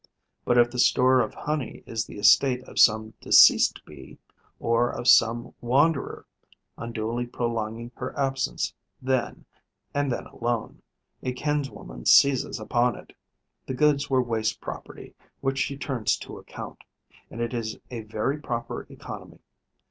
But, if the store of honey is the estate of some deceased Bee, or of some wanderer unduly prolonging her absence, then and then alone a kinswoman seizes upon it. The goods were waste property, which she turns to account; and it is a very proper economy.